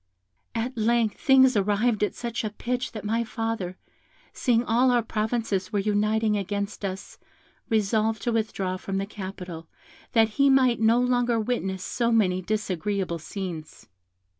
At length things arrived at such a pitch that my father, seeing all our provinces were uniting against us, resolved to withdraw from the capital, that he might no longer witness so many disagreeable scenes.